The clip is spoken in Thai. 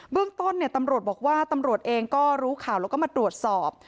เรื่องต้นตำรวจบอกว่าตำรวจเองก็รู้ข่าวแล้วก็มาตรวจสอบ